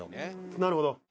「なるほど」